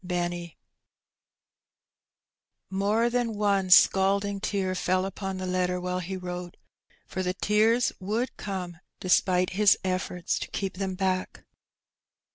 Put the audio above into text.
— Benny/' More than one scalding tear fell upon the letter while he wrote, for the tears would come despite his efforts to keep them back.